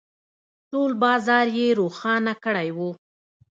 ، ټول بازار يې روښانه کړی و.